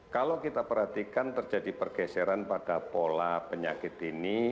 kalau kita perhatikan terjadi pergeseran pada pola penyakit ini